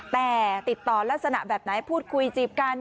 แต่ติดต่อลักษณะแบบไหนพูดคุยจีบกัน